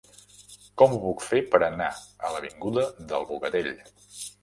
Com ho puc fer per anar a l'avinguda del Bogatell?